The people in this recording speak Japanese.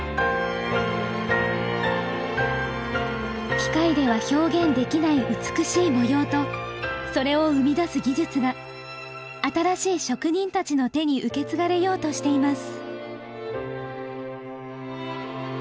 機械では表現できない美しい模様とそれを生み出す技術が新しい職人たちの手に受け継がれようとしています。